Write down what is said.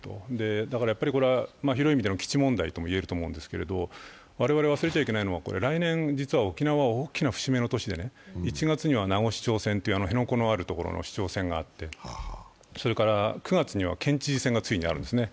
だからこれは広い意味での基地問題とも言えると思うんですが、我々忘れちゃいけないのは、来年は沖縄、大きな節目の年で１月には名護市長選という辺野古のあるところの市長選があって９月には県知事選がついにあるんですね。